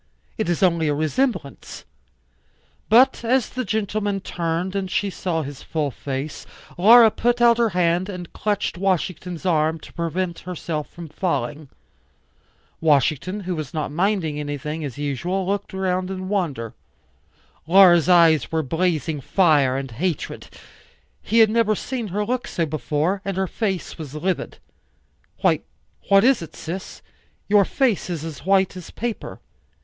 It is only a resemblance. But as the gentleman turned and she saw his full face, Laura put out her hand and clutched Washington's arm to prevent herself from falling. Washington, who was not minding anything, as usual, looked 'round in wonder. Laura's eyes were blazing fire and hatred; he had never seen her look so before; and her face, was livid. "Why, what is it, sis? Your face is as white as paper."